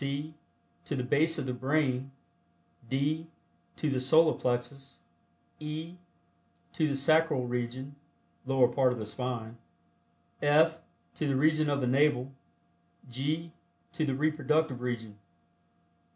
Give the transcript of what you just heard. (c) To the base of the brain. (d) To the Solar Plexus. (e) To the Sacral Region (lower part of the spine). (f) To the region of the navel. (g) To the reproductive region.